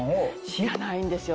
知らないんですよ。